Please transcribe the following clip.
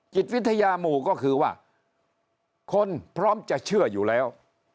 จิตวิทยาหมู่ก็คือว่าคนพร้อมจะเชื่ออยู่แล้ว